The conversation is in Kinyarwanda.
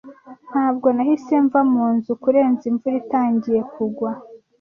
Ntabwo nahise mva munzu kurenza imvura itangiye kugwa.